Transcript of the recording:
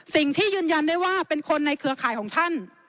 ยืนยันได้ว่าเป็นคนในเครือข่ายของท่าน